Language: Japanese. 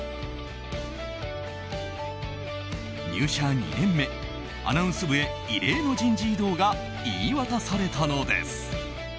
入社２年目、アナウンス部へ異例の人事異動が言い渡されたのです。